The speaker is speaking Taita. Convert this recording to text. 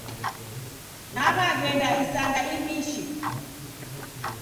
Naw'aghenda isanga iw'ishi